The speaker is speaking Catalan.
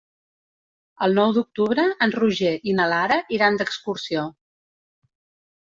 El nou d'octubre en Roger i na Lara iran d'excursió.